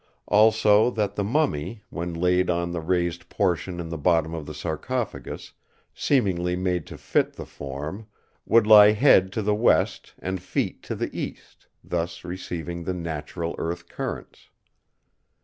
Also that the mummy, when laid on the raised portion in the bottom of the sarcophagus, seemingly made to fit the form, would lie head to the West and feet to the East, thus receiving the natural earth currents.